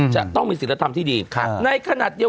จะต้องมีศิลธรรมที่ดี